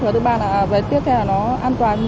và thứ ba là tiếp theo nó an toàn